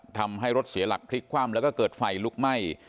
ทำให้รถเสียหลักพลิกคว่ำแล้วก็เกิดไฟลุกไหม้